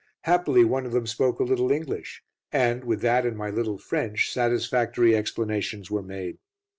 Happily one of them spoke a little English, and, with that and my little French, satisfactory explanations were made.